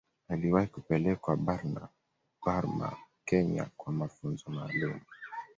Aliwahi kupelekwa Burma Kenya kwa mafunzo maalumu